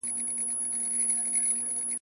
حکومت بايد د فقر مخه ونيسي.